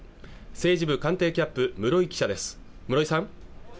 政治部官邸キャップ室井記者です